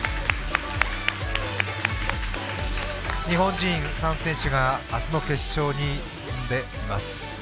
日本人３選手が明日の決勝に進んでいます。